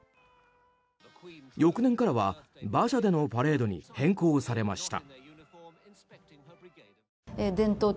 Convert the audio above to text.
翌年からは、馬車でのパレードに変更されました。